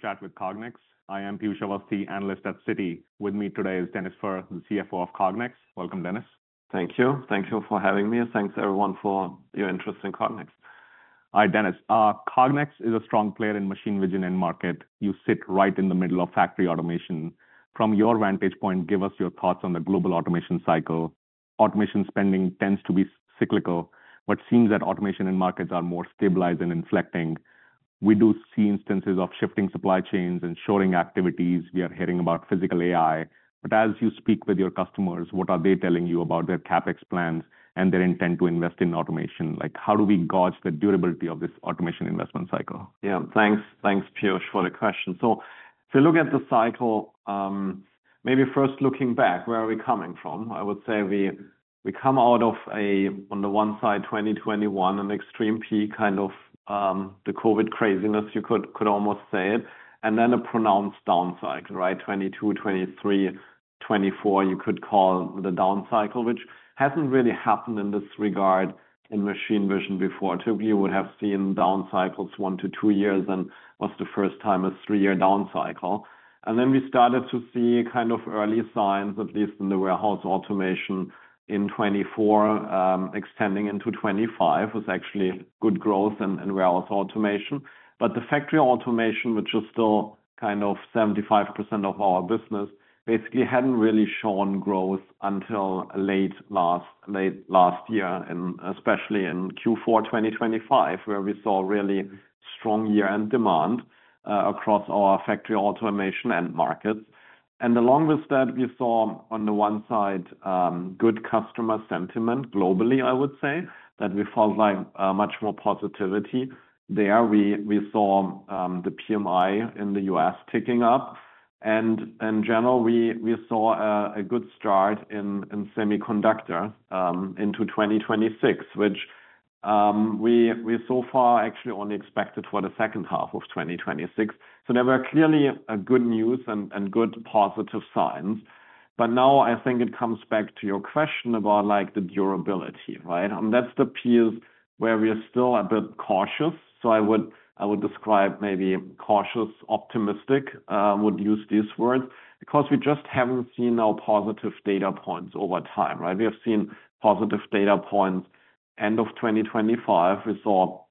Private chat with Cognex. I am Piyush Avasthi, analyst at Citi. With me today is Dennis Fehr, the CFO of Cognex. Welcome, Dennis. Thank you. Thank you for having me, and thanks, everyone, for your interest in Cognex. Hi, Dennis. Cognex is a strong player in machine vision end market. You sit right in the middle of factory automation. From your vantage point, give us your thoughts on the global automation cycle. Automation spending tends to be cyclical, but seems that automation end markets are more stabilized and inflecting. We do see instances of shifting supply chains and shoring activities. We are hearing about physical AI. But as you speak with your customers, what are they telling you about their CapEx plans and their intent to invest in automation? Like, how do we gauge the durability of this automation investment cycle? Yeah. Thanks. Thanks, Piyush, for the question. So to look at the cycle, maybe first looking back, where are we coming from? I would say we come out of a, on the one side, 2021, an extreme peak, kind of, the COVID craziness, you could almost say it, and then a pronounced down cycle, right? 2022, 2023, 2024, you could call the down cycle, which hasn't really happened in this regard in machine vision before. Typically, you would have seen down cycles one-two years, and was the first time a three-year down cycle. And then we started to see kind of early signs, at least in the warehouse automation in 2024, extending into 2025, was actually good growth in warehouse automation. But the factory automation, which is still kind of 75% of our business, basically hadn't really shown growth until late last year, and especially in Q4 2025, where we saw really strong year-end demand across our factory automation end markets. And along with that, we saw, on the one side, good customer sentiment globally, I would say, that we felt like much more positivity there. We saw the PMI in the U.S. ticking up, and in general, we saw a good start in semiconductor into 2026, which we so far actually only expected for the second half of 2026. So there were clearly a good news and good positive signs. But now I think it comes back to your question about, like, the durability, right? And that's the piece where we are still a bit cautious. So I would, I would describe maybe cautious optimistic, would use these words, because we just haven't seen our positive data points over time, right? We have seen positive data points end of 2025. We saw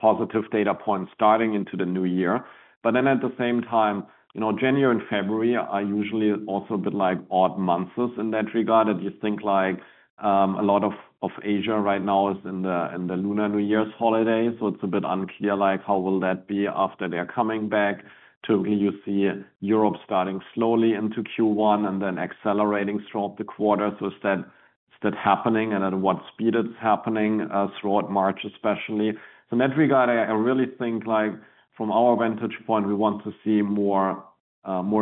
positive data points starting into the new year. But then at the same time, you know, January and February are usually also a bit like odd months in that regard. If you think, like, a lot of Asia right now is in the Lunar New Year's holiday, so it's a bit unclear, like, how will that be after they are coming back. So here you see Europe starting slowly into Q1 and then accelerating throughout the quarter. So is that, is that happening and at what speed it's happening, throughout March especially? So in that regard, I really think, like, from our vantage point, we want to see more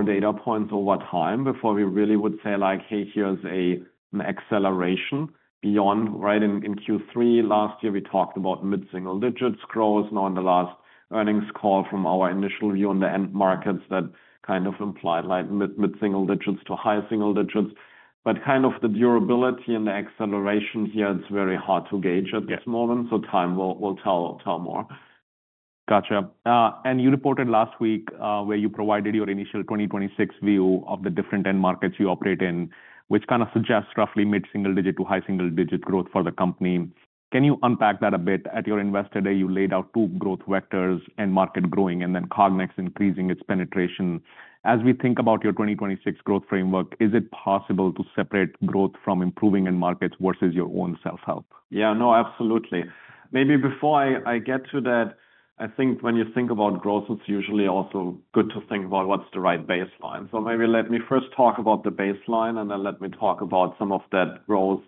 data points over time before we really would say, like, "Hey, here's an acceleration beyond." Right? In Q3 last year, we talked about mid-single-digit growth. Now, in the last earnings call from our initial view on the end markets, that kind of implied like mid-single digits to high single digits. But kind of the durability and the acceleration here, it's very hard to gauge at this moment, so time will tell more. Gotcha. And you reported last week, where you provided your initial 2026 view of the different end markets you operate in, which kind of suggests roughly mid-single digit to high single digit growth for the company. Can you unpack that a bit? At your Investor Day, you laid out two growth vectors, end market growing and then Cognex increasing its penetration. As we think about your 2026 growth framework, is it possible to separate growth from improving end markets versus your own self-help? Yeah. No, absolutely. Maybe before I, I get to that, I think when you think about growth, it's usually also good to think about what's the right baseline. So maybe let me first talk about the baseline, and then let me talk about some of that growth,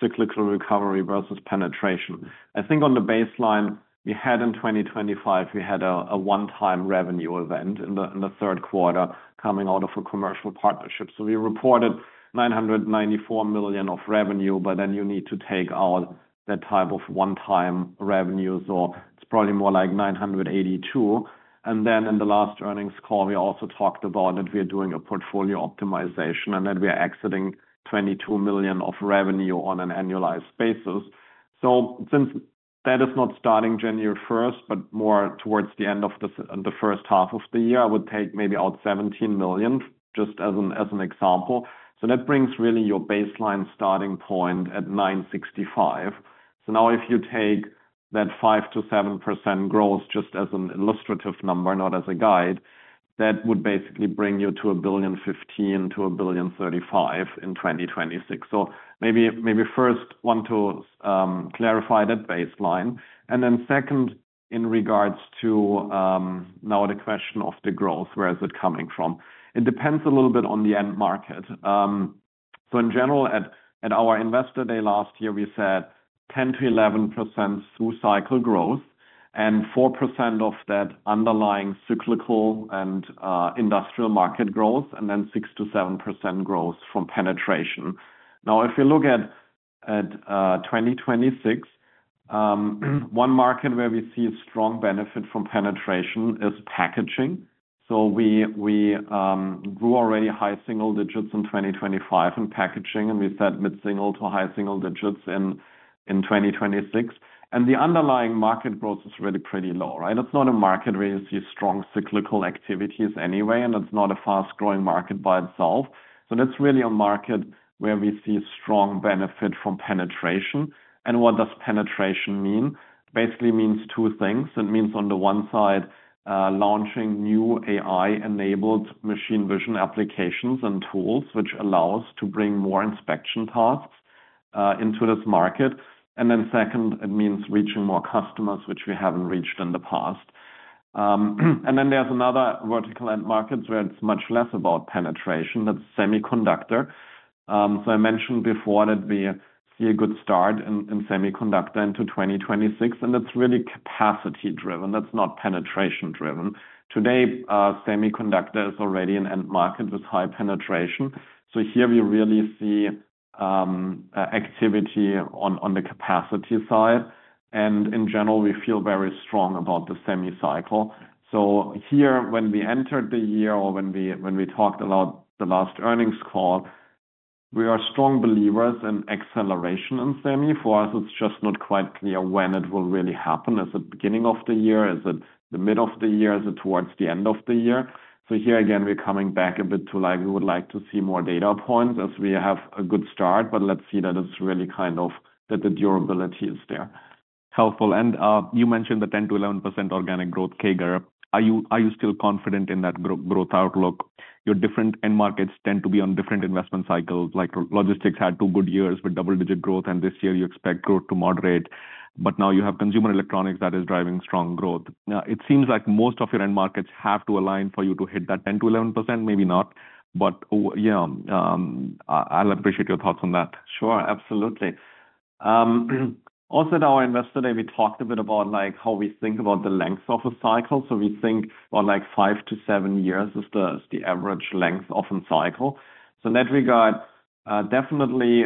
cyclical recovery versus penetration. I think on the baseline, we had in 2025, we had a one-time revenue event in the third quarter coming out of a commercial partnership. So we reported $994 million of revenue, but then you need to take out that type of one-time revenue, so it's probably more like $982 million. And then in the last earnings call, we also talked about that we are doing a portfolio optimization and that we are exiting $22 million of revenue on an annualized basis. So since that is not starting January first, but more towards the end of the first half of the year, I would take maybe out $17 million, just as an, as an example. So that brings really your baseline starting point at $965 million. So now if you take that 5%-7% growth just as an illustrative number, not as a guide, that would basically bring you to $1.015 billion-$1.035 billion in 2026. So maybe, maybe first want to clarify that baseline. And then second, in regards to now the question of the growth, where is it coming from? It depends a little bit on the end market. So in general, at our Investor Day last year, we said 10%-11% through-cycle growth and 4% of that underlying cyclical and industrial market growth, and then 6%-7% growth from penetration. Now, if you look at 2026, one market where we see a strong benefit from penetration is packaging. So we grew already high single digits in 2025 in packaging, and we said mid-single to high single digits in 2026. And the underlying market growth is really pretty low, right? It's not a market where you see strong cyclical activities anyway, and it's not a fast-growing market by itself. So that's really a market where we see strong benefit from penetration. And what does penetration mean? Basically means two things. It means on the one side, launching new AI-enabled machine vision applications and tools, which allow us to bring more inspection tasks into this market. And then second, it means reaching more customers, which we haven't reached in the past. And then there's another vertical end markets where it's much less about penetration. That's semiconductor. So I mentioned before that we see a good start in semiconductor into 2026, and that's really capacity-driven. That's not penetration-driven. Today, semiconductor is already an end market with high penetration, so here we really see activity on the capacity side, and in general, we feel very strong about the semi cycle. So here, when we entered the year or when we talked about the last earnings call, we are strong believers in acceleration in semi. For us, it's just not quite clear when it will really happen. Is it beginning of the year? Is it the middle of the year? Is it towards the end of the year? So here again, we're coming back a bit to, like, we would like to see more data points as we have a good start, but let's see that it's really kind of that the durability is there. Helpful. You mentioned the 10%-11% organic growth CAGR. Are you still confident in that growth outlook? Your different end markets tend to be on different investment cycles, like logistics had two good years with double-digit growth, and this year you expect growth to moderate, but now you have consumer electronics that is driving strong growth. Now, it seems like most of your end markets have to align for you to hit that 10%-11%. Maybe not, but yeah, I'll appreciate your thoughts on that. Sure. Absolutely. Also at our Investor Day, we talked a bit about, like, how we think about the length of a cycle. So we think on, like, five-seven years is the average length of a cycle. So in that regard, definitely,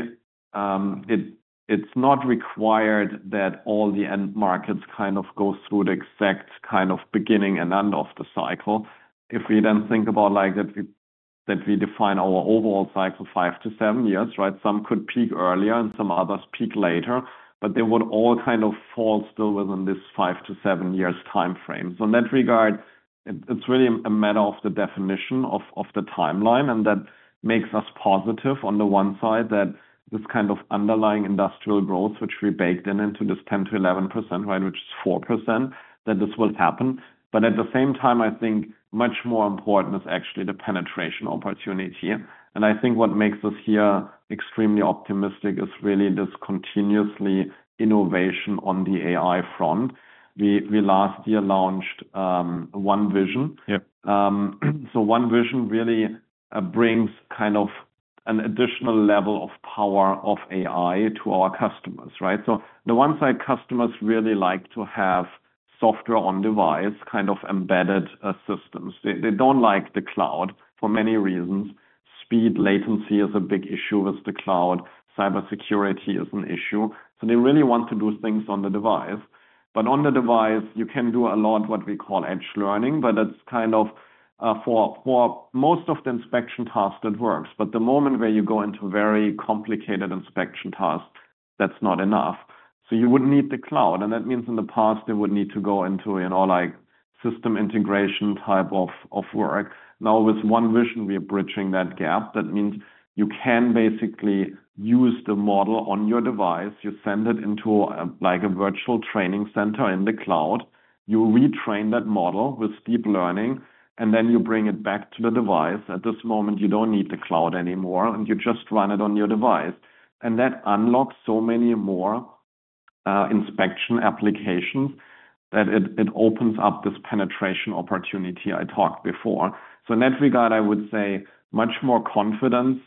it's not required that all the end markets kind of go through the exact kind of beginning and end of the cycle. If we then think about, like, that we define our overall cycle, five-seven years, right? Some could peak earlier and some others peak later, but they would all kind of fall still within this five-seven years time frame. So in that regard, it's really a matter of the definition of the timeline, and that makes us positive on the one side, that this kind of underlying industrial growth, which we baked into this 10%-11%, right, which is 4%, that this will happen. But at the same time, I think much more important is actually the penetration opportunity. And I think what makes us here extremely optimistic is really this continuously innovation on the AI front. We last year launched OneVision. Yep. So OneVision really brings kind of an additional level of power of AI to our customers, right? So on the one side, customers really like to have software on device, kind of embedded systems. They don't like the cloud for many reasons. Speed, latency is a big issue with the cloud. Cybersecurity is an issue. So they really want to do things on the device. But on the device, you can do a lot, what we call Edge Learning, but that's kind of for most of the inspection tasks, it works. But the moment where you go into very complicated inspection tasks, that's not enough. So you would need the cloud, and that means in the past, they would need to go into, you know, like, system integration type of work. Now, with OneVision, we are bridging that gap. That means you can basically use the model on your device. You send it into, like, a virtual training center in the cloud. You retrain that model with deep learning, and then you bring it back to the device. At this moment, you don't need the cloud anymore, and you just run it on your device. And that unlocks so many more inspection applications that it opens up this penetration opportunity I talked before. So in that regard, I would say much more confidence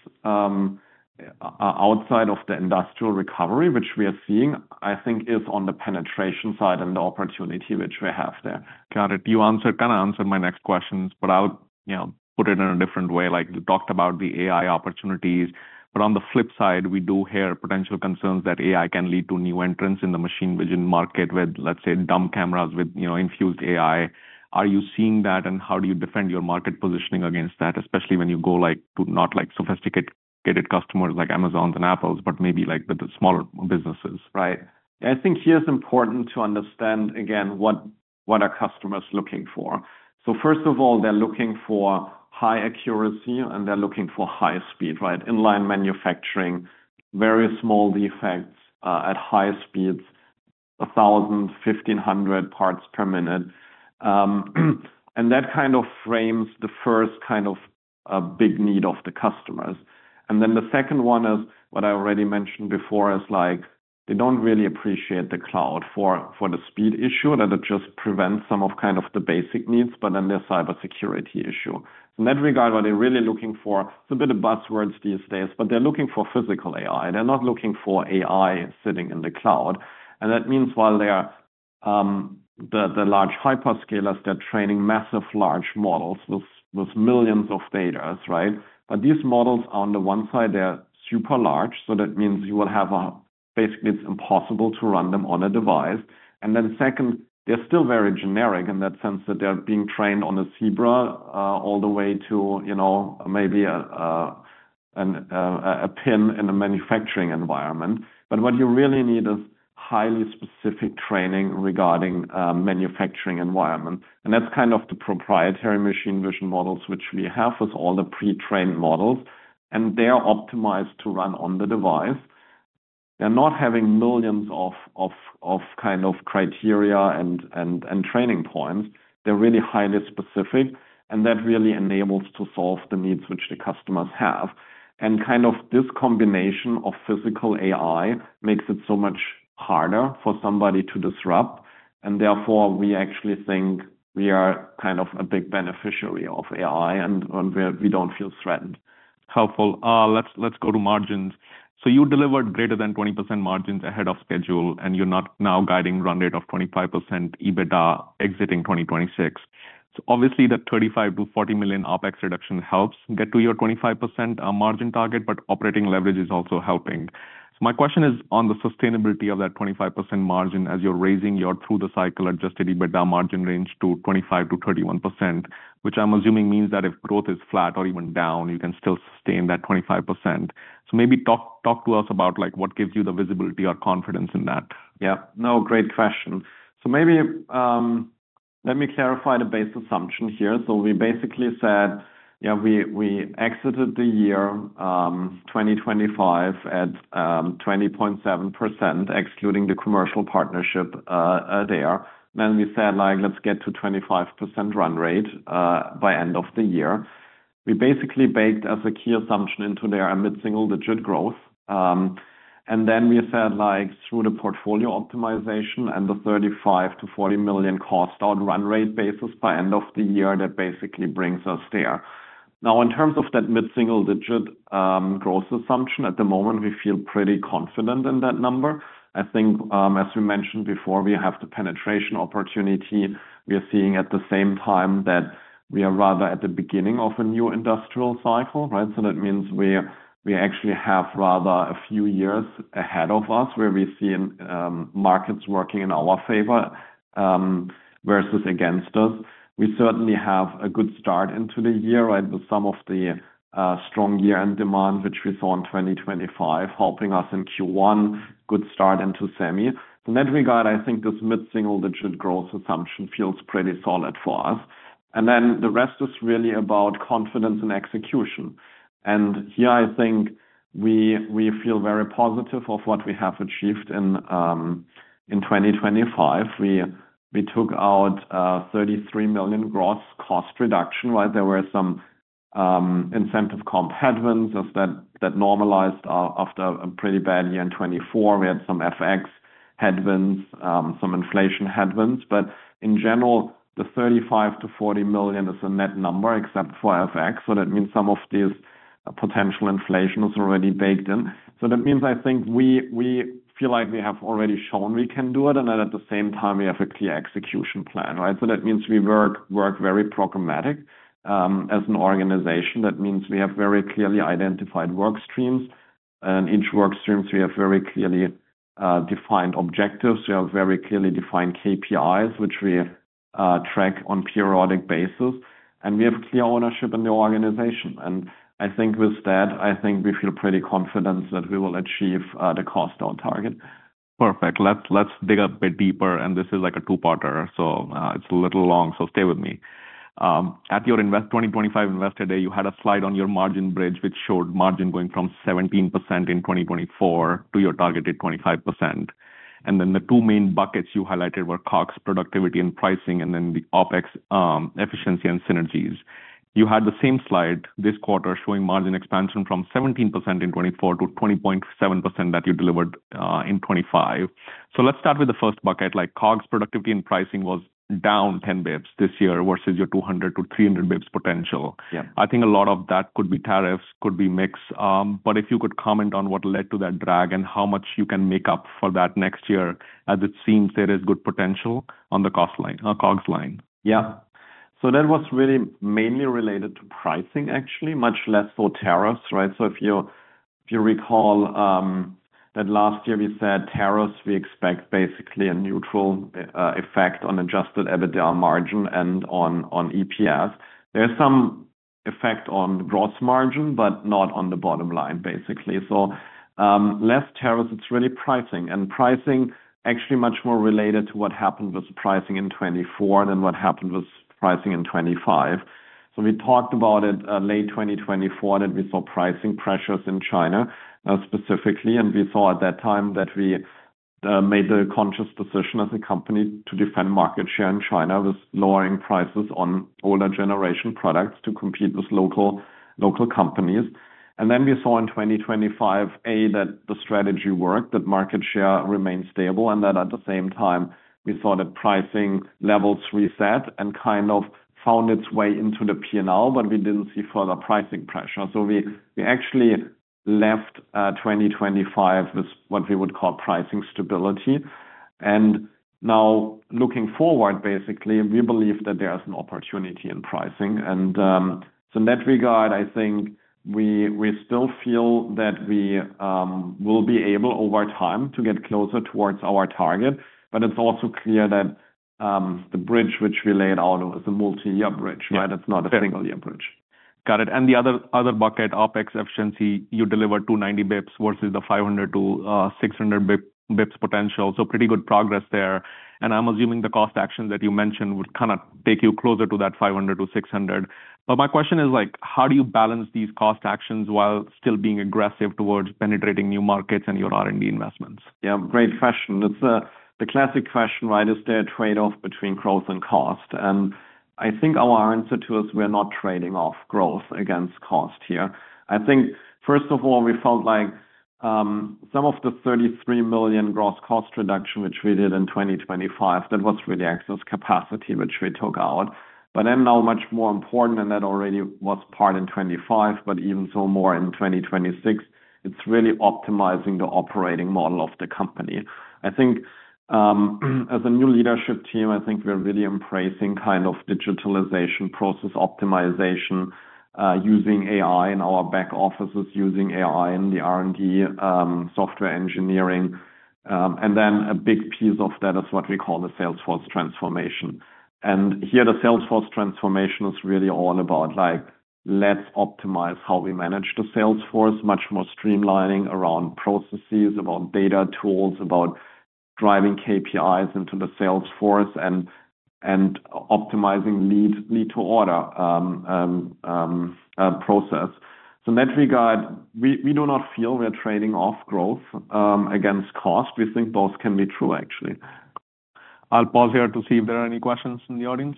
outside of the industrial recovery, which we are seeing, I think is on the penetration side and the opportunity which we have there. Got it. You answered, kinda answered my next questions, but I would, you know, put it in a different way, like you talked about the AI opportunities. But on the flip side, we do hear potential concerns that AI can lead to new entrants in the machine vision market with, let's say, dumb cameras with, you know, infused AI. Are you seeing that, and how do you defend your market positioning against that, especially when you go, like, to not like sophisticated customers like Amazon and Apple, but maybe like the smaller businesses? Right. I think here it's important to understand again, what, what are customers looking for? So first of all, they're looking for high accuracy, and they're looking for high speed, right? Inline manufacturing, very small defects, at high speeds, 1,000, 1,500 parts per minute. And that kind of frames the first kind of a big need of the customers. And then the second one is, what I already mentioned before, is like they don't really appreciate the cloud for, for the speed issue, that it just prevents some of kind of the basic needs, but then their cybersecurity issue. In that regard, what they're really looking for, it's a bit of buzzwords these days, but they're looking for physical AI. They're not looking for AI sitting in the cloud. That means while they are the large hyperscalers, they're training massive large models with millions of data, right? But these models, on the one side, they're super large, so that means you will have basically, it's impossible to run them on a device. And then second, they're still very generic in that sense that they're being trained on a zebra all the way to, you know, maybe a pin in a manufacturing environment. But what you really need is highly specific training regarding manufacturing environment. And that's kind of the proprietary machine vision models, which we have with all the pre-trained models, and they are optimized to run on the device. They're not having millions of kind of criteria and training points. They're really highly specific, and that really enables to solve the needs which the customers have. And kind of this combination of physical AI makes it so much harder for somebody to disrupt, and therefore, we actually think we are kind of a big beneficiary of AI, and we don't feel threatened. Helpful. Let's go to margins. So you delivered greater than 20% margins ahead of schedule, and you're not now guiding run rate of 25% EBITDA exiting 2026. So obviously, that $35 million-$40 million OpEx reduction helps get to your 25% margin target, but operating leverage is also helping. So my question is on the sustainability of that 25% margin as you're raising your through-the-cycle adjusted EBITDA margin range to 25%-31%, which I'm assuming means that if growth is flat or even down, you can still sustain that 25%. So maybe talk to us about, like, what gives you the visibility or confidence in that? Yeah. No, great question. So maybe, let me clarify the base assumption here. So we basically said, yeah, we exited the year, 2025 at, 20.7%, excluding the commercial partnership there. Then we said, like, "Let's get to 25% run rate by end of the year." We basically baked as a key assumption into there a mid-single-digit growth. And then we said, like, through the portfolio optimization and the $35 million-$40 million cost on run rate basis by end of the year, that basically brings us there. Now, in terms of that mid-single-digit growth assumption, at the moment, we feel pretty confident in that number. I think, as we mentioned before, we have the penetration opportunity. We are seeing at the same time that we are rather at the beginning of a new industrial cycle, right? So that means we actually have rather a few years ahead of us, where we've seen markets working in our favor versus against us. We certainly have a good start into the year, right, with some of the strong year-end demand, which we saw in 2025, helping us in Q1, good start into semi. So in that regard, I think this mid-single-digit growth assumption feels pretty solid for us. And then the rest is really about confidence and execution. And here, I think we feel very positive of what we have achieved in 2025. We took out $33 million gross cost reduction, while there were some incentive comp headwinds as that normalized after a pretty bad year in 2024. We had some FX headwinds, some inflation headwinds. But in general, the $35 million-$40 million is a net number, except for FX, so that means some of this potential inflation is already baked in. So that means, I think we feel like we have already shown we can do it, and then at the same time, we have a clear execution plan, right? So that means we work very programmatic as an organization. That means we have very clearly identified work streams, and each work streams, we have very clearly defined objectives. We have very clearly defined KPIs, which we track on periodic basis, and we have clear ownership in the organization. I think with that, I think we feel pretty confident that we will achieve the cost on target. Perfect. Let's dig a bit deeper, and this is like a two-parter, so it's a little long, so stay with me. At your 2025 Investor Day, you had a slide on your margin bridge, which showed margin going from 17% in 2024 to your targeted 25%. And then the two main buckets you highlighted were COGS, productivity, and pricing, and then the OpEx efficiency and synergies. You had the same slide this quarter, showing margin expansion from 17% in 2024 to 20.7% that you delivered in 2025. So let's start with the first bucket. Like, COGS, productivity, and pricing was down 10 basis points this year versus your 200-300 basis points potential. Yeah. I think a lot of that could be tariffs, could be mix. But if you could comment on what led to that drag and how much you can make up for that next year, as it seems there is good potential on the cost line, on COGS line. Yeah. So that was really mainly related to pricing, actually, much less for tariffs, right? So if you recall, that last year we said tariffs, we expect basically a neutral effect on Adjusted EBITDA margin and on EPS. There's some effect on the gross margin, but not on the bottom line, basically. So less tariffs, it's really pricing, and pricing actually much more related to what happened with pricing in 2024 than what happened with pricing in 2025. So we talked about it, late 2024, that we saw pricing pressures in China, specifically. And we saw at that time that we made the conscious decision as a company to defend market share in China with lowering prices on older generation products to compete with local companies. And then we saw in 2025 that the strategy worked, that market share remained stable, and that at the same time, we saw the pricing levels reset and kind of found its way into the P&L, but we didn't see further pricing pressure. So we actually left 2025 with what we would call pricing stability. And now, looking forward, basically, we believe that there is an opportunity in pricing. And so in that regard, I think we still feel that we will be able, over time, to get closer towards our target, but it's also clear that the bridge which we laid out was a multi-year bridge, right? It's not a single-year bridge.... Got it. And the other bucket, OpEx efficiency, you delivered 290 basis points versus the 500-600 basis points potential. So pretty good progress there. And I'm assuming the cost actions that you mentioned would kind of take you closer to that 500-600. But my question is, like, how do you balance these cost actions while still being aggressive towards penetrating new markets and your R&D investments? Yeah, great question. It's the classic question, right? Is there a trade-off between growth and cost? And I think our answer to is we're not trading off growth against cost here. I think, first of all, we felt like some of the $33 million gross cost reduction, which we did in 2025, that was really excess capacity, which we took out. But then now much more important than that already was part in 2025, but even so more in 2026, it's really optimizing the operating model of the company. I think, as a new leadership team, I think we're really embracing kind of digitalization, process optimization, using AI in our back offices, using AI in the R&D, software engineering. And then a big piece of that is what we call the sales force transformation. Here, the sales force transformation is really all about, like, let's optimize how we manage the sales force, much more streamlining around processes, about data tools, about driving KPIs into the sales force and optimizing lead to order process. So in that regard, we do not feel we're trading off growth against cost. We think both can be true, actually. I'll pause here to see if there are any questions in the audience.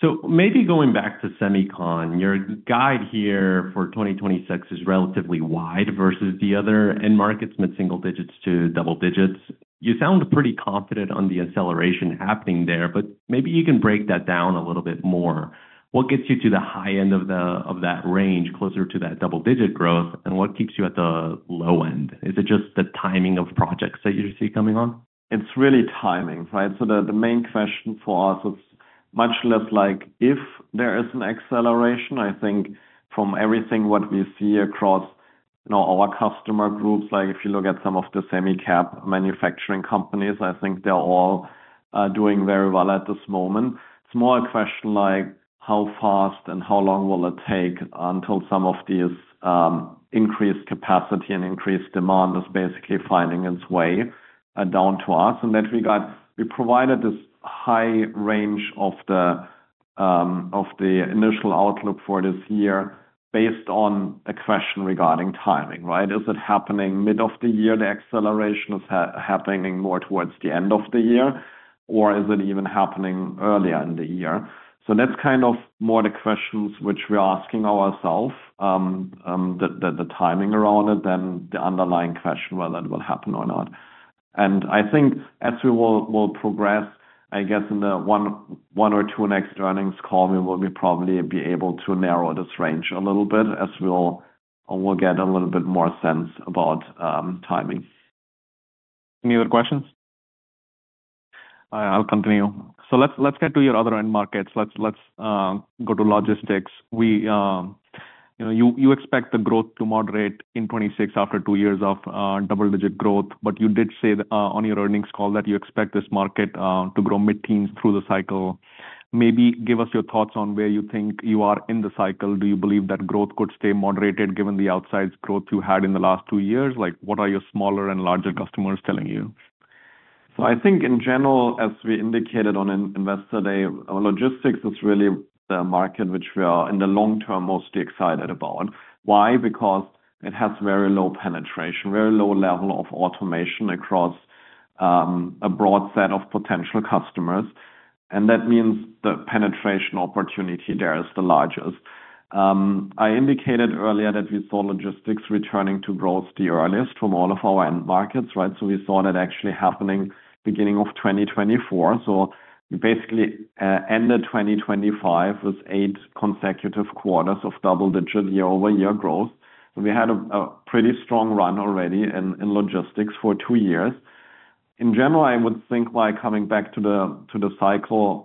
So maybe going back to semicon, your guide here for 2026 is relatively wide versus the other end markets, mid-single digits to double digits. You sound pretty confident on the acceleration happening there, but maybe you can break that down a little bit more. What gets you to the high end of that range, closer to that double-digit growth, and what keeps you at the low end? Is it just the timing of projects that you see coming on? It's really timing, right? So the main question for us is much less like if there is an acceleration, I think from everything what we see across, you know, our customer groups, like if you look at some of the semicap manufacturing companies, I think they're all doing very well at this moment. It's more a question like, how fast and how long will it take until some of these increased capacity and increased demand is basically finding its way down to us? In that regard, we provided this high range of the initial outlook for this year based on a question regarding timing, right? Is it happening mid of the year, the acceleration is happening more towards the end of the year, or is it even happening earlier in the year? So that's kind of more the questions which we're asking ourselves, the timing around it, then the underlying question whether it will happen or not. And I think as we will progress, I guess in the one or two next earnings call, we will probably be able to narrow this range a little bit as we'll get a little bit more sense about timing. Any other questions? I'll continue. So let's get to your other end markets. Let's go to logistics. You know, you expect the growth to moderate in 2026 after two years of double-digit growth, but you did say on your earnings call that you expect this market to grow mid-teens through the cycle. Maybe give us your thoughts on where you think you are in the cycle. Do you believe that growth could stay moderated, given the outsized growth you had in the last two years? Like, what are your smaller and larger customers telling you? So I think in general, as we indicated on Investor Day, our logistics is really the market which we are, in the long term, mostly excited about. Why? Because it has very low penetration, very low level of automation across a broad set of potential customers, and that means the penetration opportunity there is the largest. I indicated earlier that we saw logistics returning to growth the earliest from all of our end markets, right? So we saw that actually happening beginning of 2024. So basically, ended 2025 with eight consecutive quarters of double-digit year-over-year growth. We had a pretty strong run already in logistics for two years. In general, I would think, like coming back to the cycle,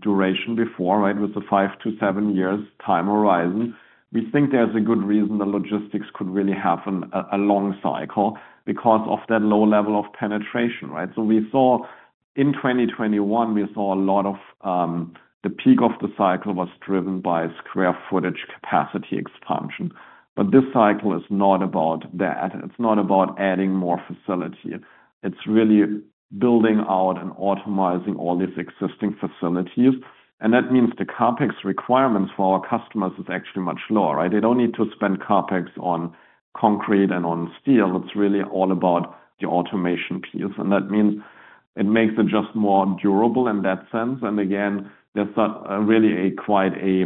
duration before, right, with the five-seven years time horizon, we think there's a good reason the logistics could really have a long cycle because of that low level of penetration, right? So in 2021, we saw a lot of the peak of the cycle was driven by square footage capacity expansion. But this cycle is not about that. It's not about adding more facility. It's really building out and automating all these existing facilities, and that means the CapEx requirements for our customers is actually much lower, right? They don't need to spend CapEx on concrete and on steel. It's really all about the automation piece, and that means it makes it just more durable in that sense. There's really quite a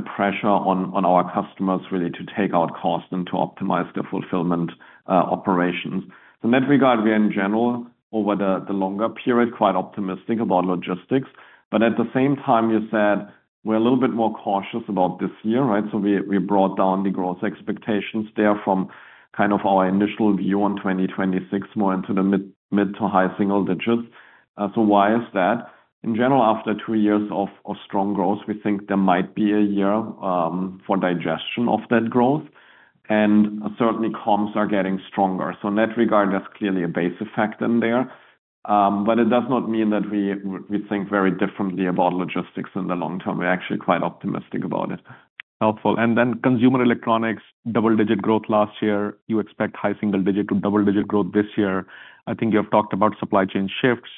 pressure on our customers, really, to take out cost and to optimize their fulfillment operations. In that regard, we are, in general, over the longer period, quite optimistic about logistics, but at the same time, you said we're a little bit more cautious about this year, right? We brought down the growth expectations there from kind of our initial view on 2026, more into the mid- to high-single digits. Why is that? In general, after two years of strong growth, we think there might be a year for digestion of that growth, and certainly, comps are getting stronger. In that regard, there's clearly a base effect in there. It does not mean that we think very differently about logistics in the long term. We're actually quite optimistic about it. Helpful. And then consumer electronics, double-digit growth last year. You expect high single digit to double-digit growth this year. I think you have talked about supply chain shifts,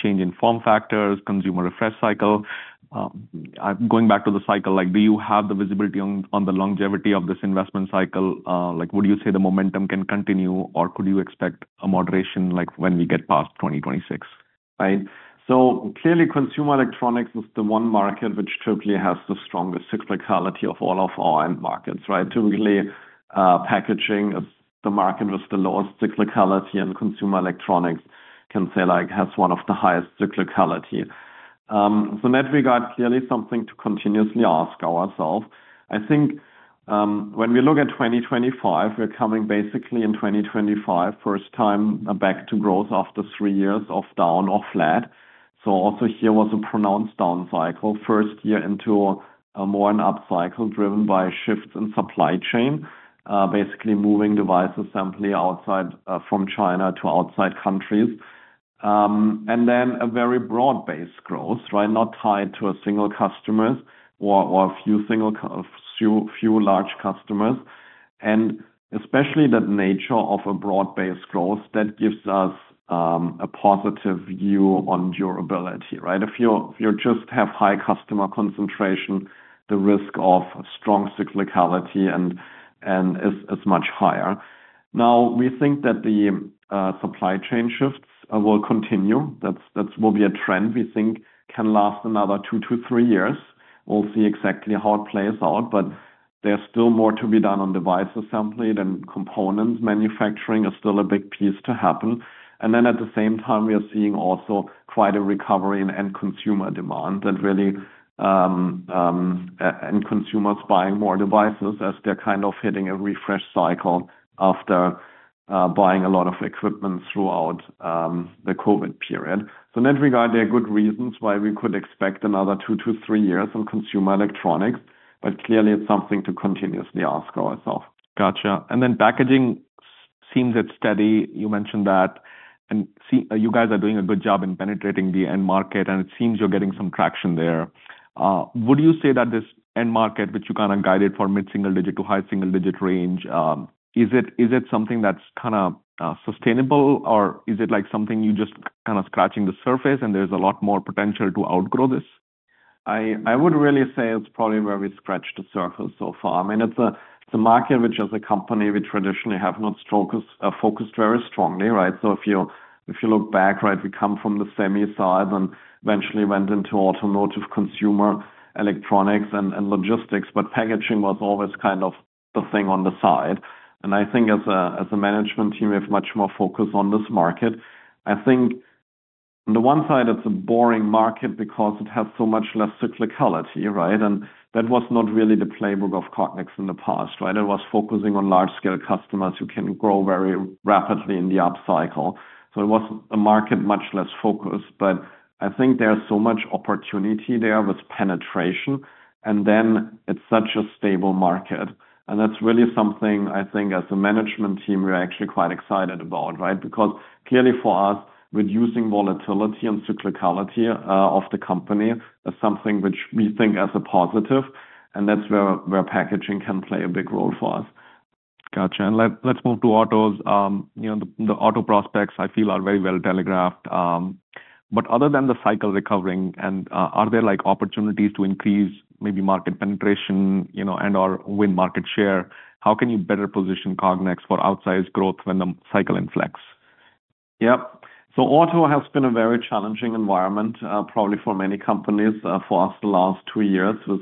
change in form factors, consumer refresh cycle. Going back to the cycle, like, do you have the visibility on the longevity of this investment cycle? Like, would you say the momentum can continue, or could you expect a moderation like when we get past 2026? Right. So clearly, consumer electronics is the one market which typically has the strongest cyclicality of all of our end markets, right? Typically, packaging is the market with the lowest cyclicality, and consumer electronics can say, like, has one of the highest cyclicality. So in that regard, clearly something to continuously ask ourselves. I think, when we look at 2025, we're coming basically in 2025, first time back to growth after three years of down or flat. So also here was a pronounced down cycle, first year into a more an up cycle, driven by shifts in supply chain, basically moving device assembly outside, from China to outside countries. And then a very broad-based growth, right? Not tied to a single customers or a few large customers. And especially that nature of a broad-based growth, that gives us a positive view on durability, right? If you just have high customer concentration, the risk of strong cyclicality and is much higher. Now, we think that the supply chain shifts will continue. That's a trend we think can last another two to three years. We'll see exactly how it plays out, but there's still more to be done on device assembly than components. Manufacturing is still a big piece to happen. And then at the same time, we are seeing also quite a recovery in end consumer demand, and really, and consumers buying more devices as they're kind of hitting a refresh cycle after buying a lot of equipment throughout the COVID period. So in that regard, there are good reasons why we could expect another two-three years of consumer electronics, but clearly, it's something to continuously ask ourselves. Gotcha. And then packaging seems it's steady. You mentioned that, and you guys are doing a good job in penetrating the end market, and it seems you're getting some traction there. Would you say that this end market, which you kind of guided for mid-single digit to high single-digit range, is it, is it something that's kind of sustainable, or is it like something you just kind of scratching the surface and there's a lot more potential to outgrow this? I would really say it's probably where we scratched the surface so far. I mean, it's a market which, as a company, we traditionally have not focused, focused very strongly, right? So if you, if you look back, right, we come from the semi side and eventually went into automotive, consumer electronics, and, and logistics, but packaging was always kind of the thing on the side. And I think as a management team, we have much more focus on this market. I think on the one side, it's a boring market because it has so much less cyclicality, right? And that was not really the playbook of Cognex in the past, right? It was focusing on large-scale customers who can grow very rapidly in the upcycle. So it was a market, much less focused, but I think there's so much opportunity there with penetration, and then it's such a stable market. And that's really something I think as a management team, we're actually quite excited about, right? Because clearly, for us, reducing volatility and cyclicality of the company is something which we think as a positive, and that's where packaging can play a big role for us. Gotcha. Let's move to autos. You know, the auto prospects, I feel, are very well telegraphed. But other than the cycle recovering and are there like, opportunities to increase maybe market penetration, you know, and/or win market share? How can you better position Cognex for outsized growth when the cycle inflection? Yep. So auto has been a very challenging environment, probably for many companies. For us, the last two years with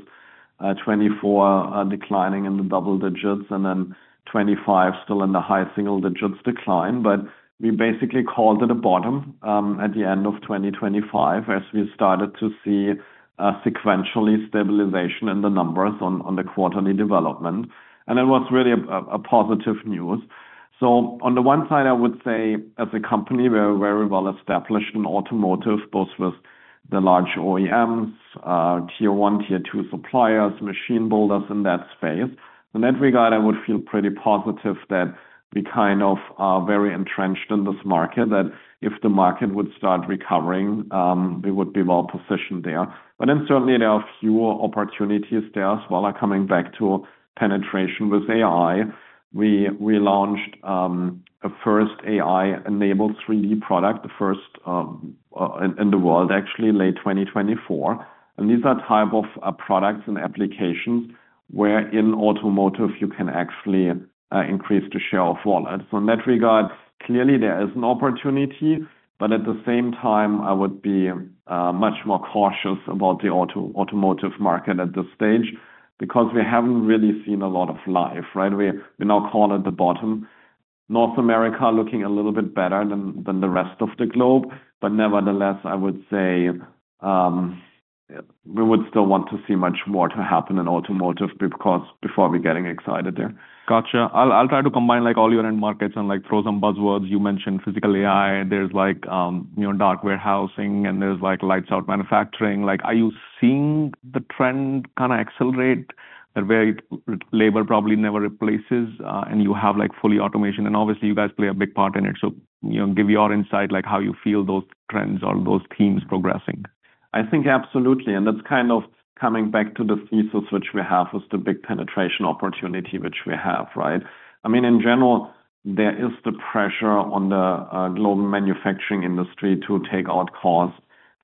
2024 declining in the double digits and then 2025 still in the high single digits decline. But we basically called it a bottom at the end of 2025, as we started to see a sequential stabilization in the numbers on the quarterly development. And it was really a positive news. So on the one side, I would say as a company, we're very well established in automotive, both with the large OEMs, tier one, tier two suppliers, machine builders in that space. In that regard, I would feel pretty positive that we kind of are very entrenched in this market, that if the market would start recovering, we would be well positioned there. But then certainly, there are fewer opportunities there as well. Coming back to penetration with AI, we launched a first AI-enabled 3D product, the first in the world, actually, late 2024. And these are type of products and applications where in automotive you can actually increase the share of wallet. So in that regard, clearly there is an opportunity, but at the same time, I would be much more cautious about the automotive market at this stage because we haven't really seen a lot of life, right? We're now calling the bottom. North America looking a little bit better than the rest of the globe, but nevertheless, I would say, Yeah, we would still want to see much more to happen in automotive because before we getting excited there. Got you. I'll, I'll try to combine, like, all your end markets and, like, throw some buzzwords. You mentioned physical AI, there's like, you know, dark warehousing, and there's, like, lights out manufacturing. Like, are you seeing the trend kinda accelerate where labor probably never replaces, and you have, like, fully automation, and obviously, you guys play a big part in it. So, you know, give your insight, like how you feel those trends or those themes progressing? I think absolutely, and that's kind of coming back to the thesis, which we have, is the big penetration opportunity which we have, right? I mean, in general, there is the pressure on the global manufacturing industry to take out costs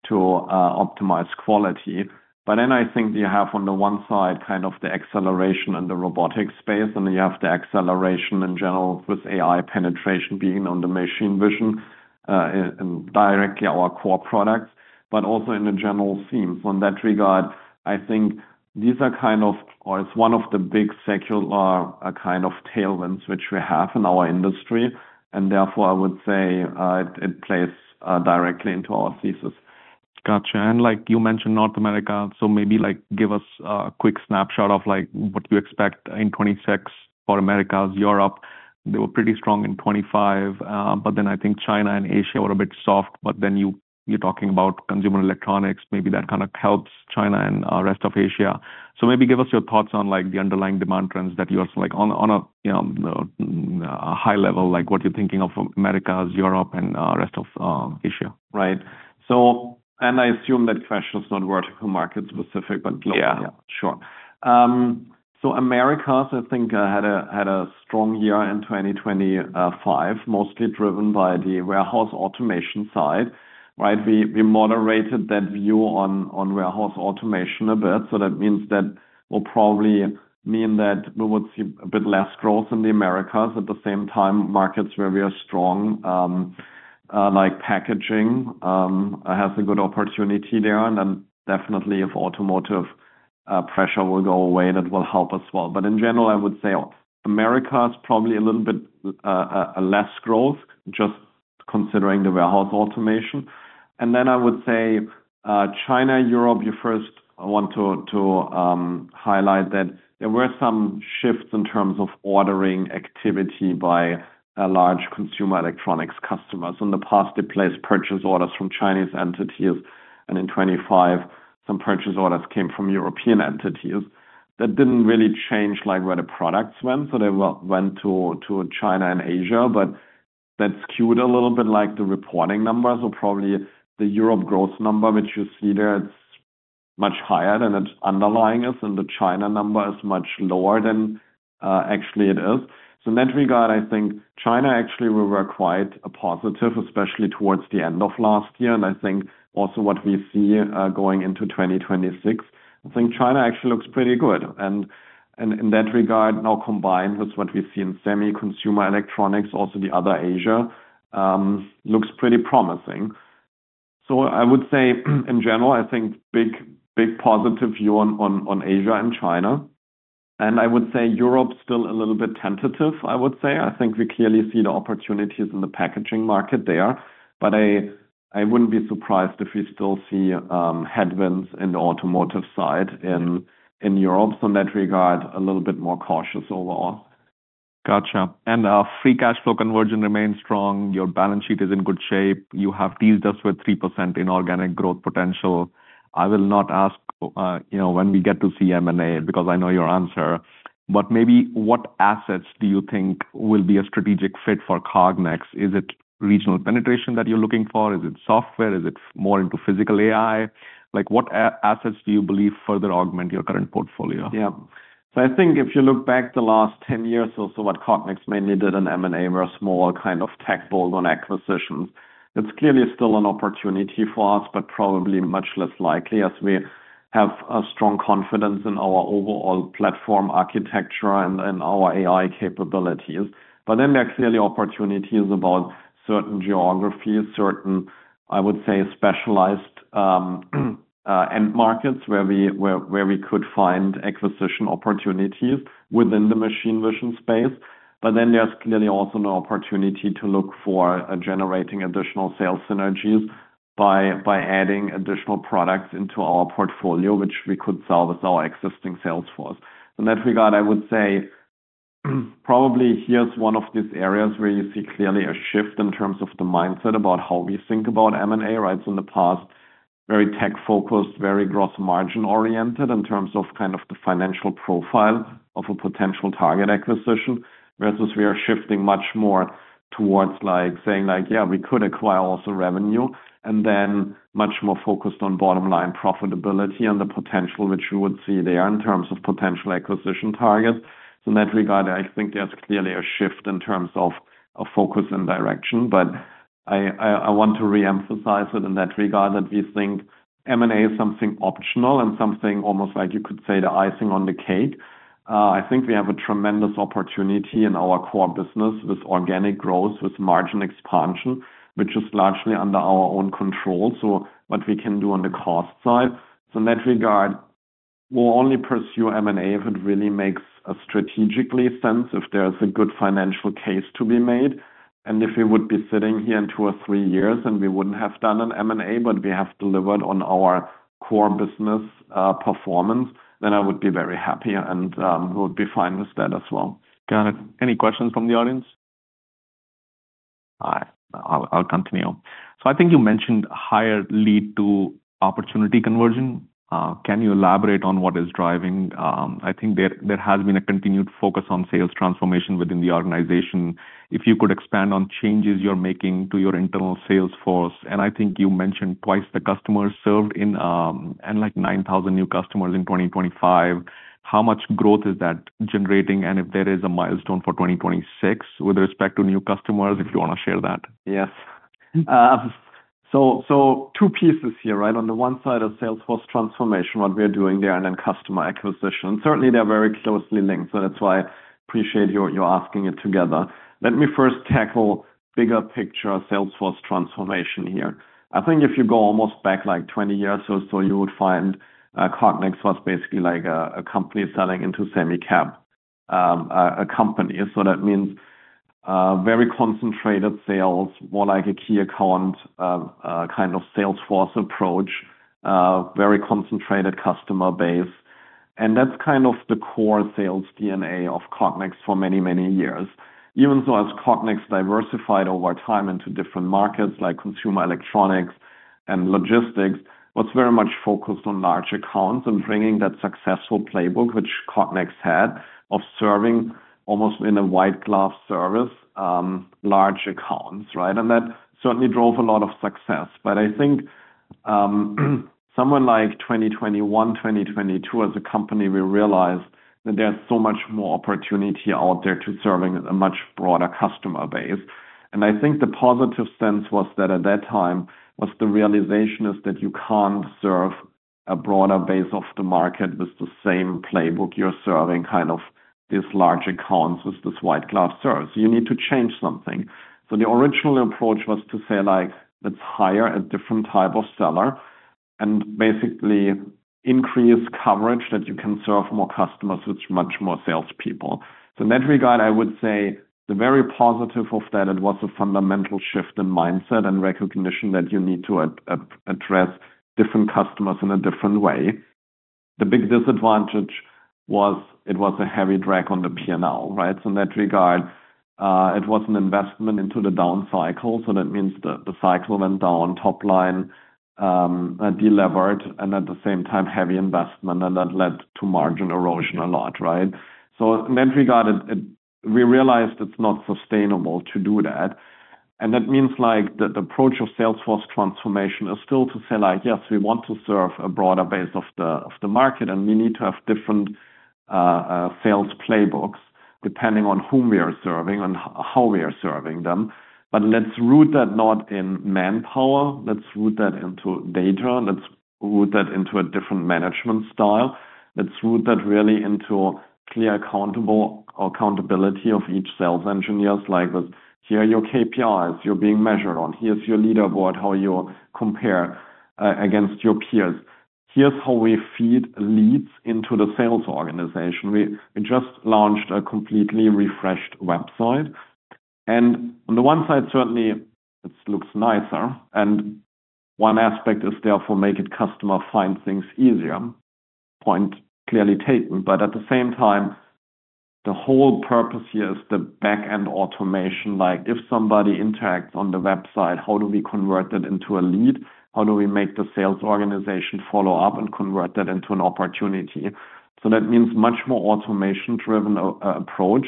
to optimize quality. But then I think you have, on the one side, kind of the acceleration in the robotic space, and you have the acceleration in general with AI penetration being on the machine vision, and directly our core products, but also in the general theme. On that regard, I think these are kind of or it's one of the big secular kind of tailwinds which we have in our industry, and therefore, I would say, it plays directly into our thesis. Got you. And like you mentioned North America, so maybe, like, give us a quick snapshot of, like, what you expect in 2026 for Americas, Europe. They were pretty strong in 2025, but then I think China and Asia were a bit soft, but then you- you're talking about consumer electronics. Maybe that kind of helps China and rest of Asia. So maybe give us your thoughts on, like, the underlying demand trends that you also like on a, on a, you know, a high level, like, what you're thinking of Americas, Europe, and rest of Asia. Right. So I assume that question is not vertical market specific, but- Yeah. Sure. So Americas, I think, had a strong year in 2025, mostly driven by the warehouse automation side, right? We moderated that view on warehouse automation a bit, so that means that will probably mean that we would see a bit less growth in the Americas. At the same time, markets where we are strong, like packaging, has a good opportunity there, and then definitely if automotive pressure will go away, that will help as well. But in general, I would say Americas, probably a little bit less growth, just considering the warehouse automation. And then I would say, China, Europe, you first want to highlight that there were some shifts in terms of ordering activity by a large consumer electronics customers. In the past, they placed purchase orders from Chinese entities, and in 25, some purchase orders came from European entities. That didn't really change, like where the products went, so they went to China and Asia, but that skewed a little bit like the reporting numbers. So probably the Europe growth number, which you see there, it's much higher than its underlying is, and the China number is much lower than actually it is. So in that regard, I think China actually were quite a positive, especially towards the end of last year, and I think also what we see going into 2026. I think China actually looks pretty good. And in that regard, now combined with what we see in semi-consumer electronics, also the other Asia looks pretty promising. So I would say, in general, I think big, big positive view on Asia and China, and I would say Europe's still a little bit tentative, I would say. I think we clearly see the opportunities in the packaging market there, but I wouldn't be surprised if we still see headwinds in the automotive side in Europe. So in that regard, a little bit more cautious overall. Gotcha. And, free cash flow conversion remains strong. Your balance sheet is in good shape. You have teased us with 3% in organic growth potential. I will not ask, you know, when we get to see M&A, because I know your answer, but maybe what assets do you think will be a strategic fit for Cognex? Is it regional penetration that you're looking for? Is it software? Is it more into Physical AI? Like, what assets do you believe further augment your current portfolio? Yeah. So I think if you look back the last 10 years or so, what Cognex mainly did in M&A were small, kind of tech bolt-on acquisitions. It's clearly still an opportunity for us, but probably much less likely as we have a strong confidence in our overall platform architecture and, and our AI capabilities. But then there are clearly opportunities about certain geographies, certain, I would say, specialized, end markets, where we could find acquisition opportunities within the machine vision space. But then there's clearly also an opportunity to look for generating additional sales synergies by adding additional products into our portfolio, which we could sell with our existing sales force. In that regard, I would say, probably here's one of these areas where you see clearly a shift in terms of the mindset about how we think about M&A, right? So in the past, very tech-focused, very gross margin-oriented in terms of kind of the financial profile of a potential target acquisition, versus we are shifting much more towards, like, saying, like, "Yeah, we could acquire also revenue," and then much more focused on bottom-line profitability and the potential which you would see there in terms of potential acquisition targets. So in that regard, I think there's clearly a shift in terms of a focus and direction, but I want to re-emphasize it in that regard, that we think M&A is something optional and something almost like you could say, the icing on the cake. I think we have a tremendous opportunity in our core business with organic growth, with margin expansion, which is largely under our own control, so what we can do on the cost side. So in that regard-... We'll only pursue M&A if it really makes strategically sense, if there's a good financial case to be made. And if we would be sitting here in two or three years, and we wouldn't have done an M&A, but we have delivered on our core business performance, then I would be very happy, and we'll be fine with that as well. Got it. Any questions from the audience? All right. I'll continue. So I think you mentioned higher lead to opportunity conversion. Can you elaborate on what is driving? I think there has been a continued focus on sales transformation within the organization. If you could expand on changes you're making to your internal sales force, and I think you mentioned twice the customers served in, and like 9,000 new customers in 2025. How much growth is that generating? And if there is a milestone for 2026 with respect to new customers, if you want to share that. Yes. So, two pieces here, right? On the one side of sales force transformation, what we are doing there, and then customer acquisition. Certainly, they're very closely linked, so that's why I appreciate you asking it together. Let me first tackle bigger picture sales force transformation here. I think if you go almost back like 20 years or so, you would find, Cognex was basically like a company selling into semicap, a company. So that means, very concentrated sales, more like a key account, kind of sales force approach, very concentrated customer base. And that's kind of the core sales DNA of Cognex for many, many years. Even so, as Cognex diversified over time into different markets, like consumer electronics and logistics, was very much focused on large accounts and bringing that successful playbook, which Cognex had, of serving almost in a white glove service, large accounts, right? That certainly drove a lot of success. I think, somewhere like 2021, 2022, as a company, we realized that there's so much more opportunity out there to serving a much broader customer base. I think the positive sense was that at that time, was the realization is that you can't serve a broader base of the market with the same playbook you're serving, kind of these large accounts with this white glove service. You need to change something. So the original approach was to say, like, let's hire a different type of seller and basically increase coverage that you can serve more customers with much more salespeople. So in that regard, I would say the very positive of that, it was a fundamental shift in mindset and recognition that you need to address different customers in a different way. The big disadvantage was it was a heavy drag on the P&L, right? So in that regard, it was an investment into the down cycle, so that means the cycle went down top line, and delevered, and at the same time, heavy investment, and that led to margin erosion a lot, right? So in that regard, it we realized it's not sustainable to do that. And that means, like, the approach of sales force transformation is still to say, like, "Yes, we want to serve a broader base of the, of the market, and we need to have different sales playbooks, depending on whom we are serving and how we are serving them. But let's root that not in manpower, let's root that into data, let's root that into a different management style. Let's root that really into clear, accountable accountability of each sales engineers." Like, with, "Here are your KPIs you're being measured on. Here's your leaderboard, how you compare against your peers. Here's how we feed leads into the sales organization." We just launched a completely refreshed website, and on the one side, certainly, it looks nicer, and one aspect is therefore make it customer find things easier. Point clearly taken, but at the same time, the whole purpose here is the back-end automation. Like, if somebody interacts on the website, how do we convert that into a lead? How do we make the sales organization follow up and convert that into an opportunity? So that means much more automation-driven approach,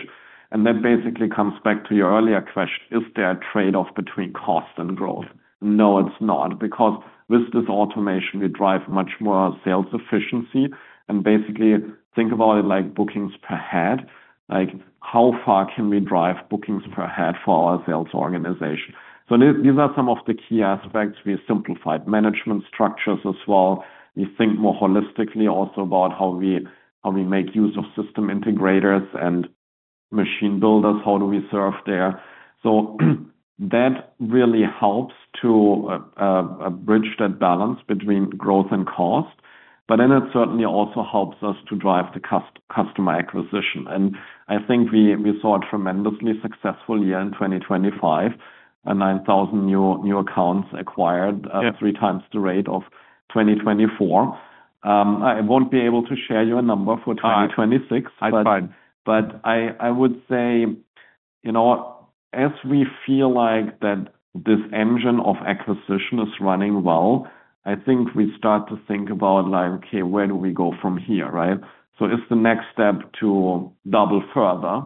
and that basically comes back to your earlier question: Is there a trade-off between cost and growth? No, it's not, because with this automation, we drive much more sales efficiency, and basically, think about it like bookings per head. Like, how far can we drive bookings per head for our sales organization? So these are some of the key aspects. We simplified management structures as well. We think more holistically also about how we, how we make use of system integrators and machine builders, how do we serve there? So that really helps to bridge that balance between growth and cost, but then it certainly also helps us to drive the customer acquisition. And I think we saw a tremendously successful year in 2025, and 9,000 new accounts acquired at three times the rate of 2024. I won't be able to share you a number for 2026. That's fine. I would say, you know, as we feel like that this engine of acquisition is running well, I think we start to think about like, okay, where do we go from here, right? So is the next step to double further,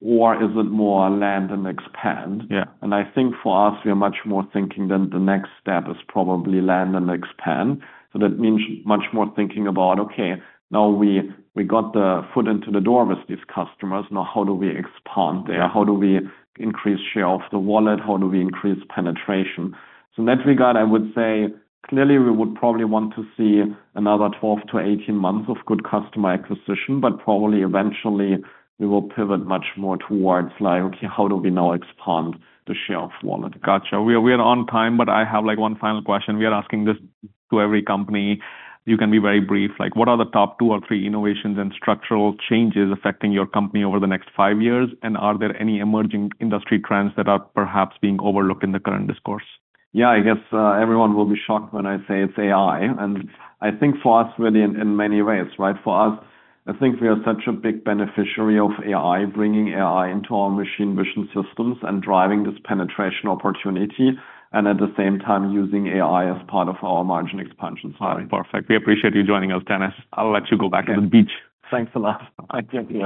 or is it more land and expand? Yeah. I think for us, we are much more thinking that the next step is probably land and expand. That means much more thinking about, okay, now we, we got the foot into the door with these customers, now, how do we expand there? Yeah. How do we increase share of the wallet? How do we increase penetration? So in that regard, I would say, clearly, we would probably want to see another 12-18 months of good customer acquisition, but probably eventually, we will pivot much more towards like, okay, how do we now expand the share of wallet? Got you. We are on time, but I have, like, one final question. We are asking this to every company. You can be very brief. Like, what are the top two or three innovations and structural changes affecting your company over the next five years? And are there any emerging industry trends that are perhaps being overlooked in the current discourse? Yeah, I guess, everyone will be shocked when I say it's AI, and I think for us, really, in, in many ways, right? For us, I think we are such a big beneficiary of AI, bringing AI into our machine vision systems and driving this penetration opportunity, and at the same time, using AI as part of our margin expansion story. Perfect. We appreciate you joining us, Dennis. I'll let you go back to the beach. Thanks a lot. Thank you.